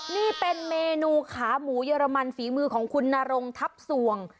นี่เป็นเมนูขาหมูเยอรมันฝีมือของคุณนรงทัพส่วง